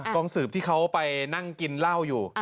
กองสืบที่เขาไปนั่งกินเหล้าอยู่